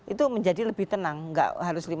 itu menjadi lebih tenang nggak harus